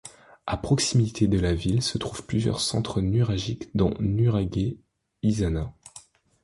À proximité de la ville se trouvent plusieurs centres nuragiques dont Nuraghe Izzana.